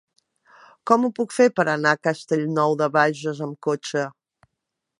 Com ho puc fer per anar a Castellnou de Bages amb cotxe?